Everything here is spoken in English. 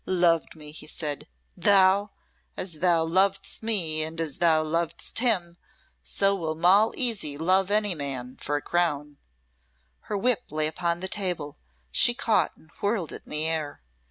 "Loved me!" he said. "Thou! As thou lovedst me and as thou lovest him so will Moll Easy love any man for a crown." Her whip lay upon the table, she caught and whirled it in the air.